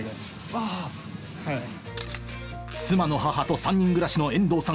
妻の母と３人暮らしの遠藤さん